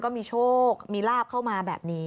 ก็มีโชคมีลาบเข้ามาแบบนี้